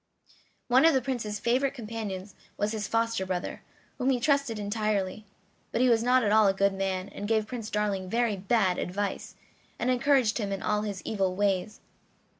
One of the Prince's favorite companions was his foster brother, whom he trusted entirely; but he was not at all a good man, and gave Prince Darling very bad advice, and encouraged him in all his evil ways.